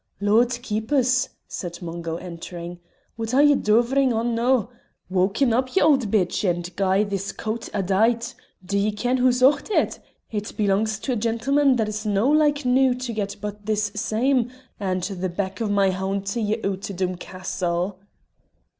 "Lord keep 's!" said Mungo, entering, "what are ye doverin' on noo? Wauken up, ye auld bitch, and gie this coat a dight. D'ye ken wha's ocht it? It belangs to a gentleman that's no' like noo to get but this same, and the back o' my haun' to ye oot o' Doom Castle."